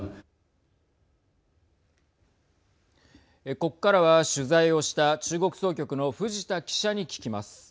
ここからは取材をした中国総局の藤田記者に聞きます。